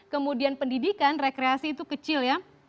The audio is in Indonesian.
kemudian pendidikan rekreasi itu kecil ya